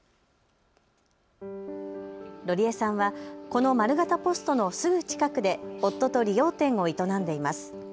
路里絵さんはこの丸型ポストのすぐ近くで夫と理容店を営んでいます。